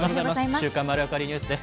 週刊まるわかりニュースです。